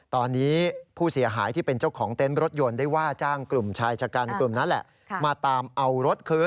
ตอนนี้ผู้เสียหายที่เป็นเจ้าของเต็นต์รถยนต์ได้ว่าจ้างกลุ่มชายชะกันกลุ่มนั้นแหละมาตามเอารถคืน